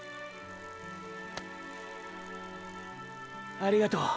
ありがとう。